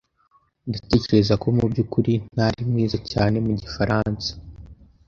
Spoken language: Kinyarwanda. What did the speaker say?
Ndatekereza ko mubyukuri ntari mwiza cyane mu gifaransa.